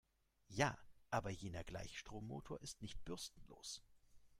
Ja, aber jener Gleichstrommotor ist nicht bürstenlos.